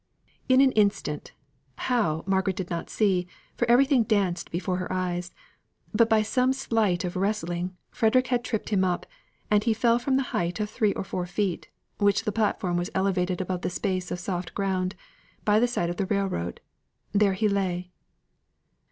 In an instant, how, Margaret did not see, for everything danced before her eyes but by some sleight of wrestling, Frederick had tripped him up, and he fell from the height of three or four feet, which the platform was elevated above the space of soft ground, by the side of the railroad. There he lay.